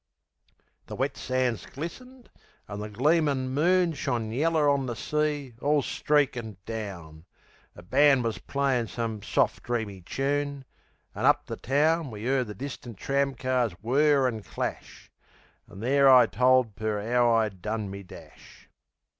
The wet sands glistened, an' the gleamin' moon Shone yeller on the sea, all streakin' down. A band was playin' some soft, dreamy choon; An' up the town We 'eard the distant tram cars whir an' clash. An' there I told Per 'ow I'd done me dash.